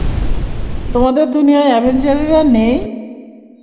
তোমাদের দুনিয়ায় অ্যাভেঞ্জারেরা নেই?